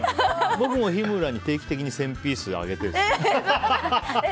僕も日村に定期的に１０００ピースのそうなんですか？